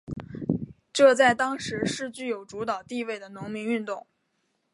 这在当时是具有主导地位的农民运动。